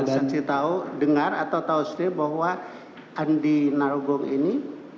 saksi tahu dengar atau tahu sendiri bahwa andi narogong ini